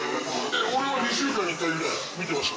俺は２週間に１回ぐらい見てました。